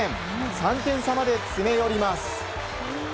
３点差まで詰め寄ります。